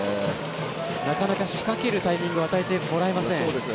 なかなか仕掛けるタイミングを与えてもらえません。